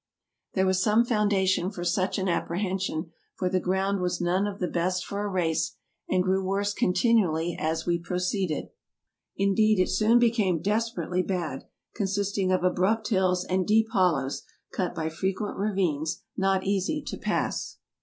There was some foundation for such an apprehension, for the ground was none of the best for a race, and grew AMERICA 77 worse continually as we proceeded ; indeed it soon became desperately bad, consisting of abrupt hills and deep hol lows, cut by frequent ravines not easy to pass.